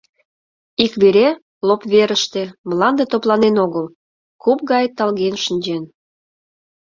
Ик вере, лоп верыште, мланде топланен огыл, куп гай талген шинчен.